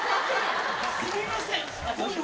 すみません。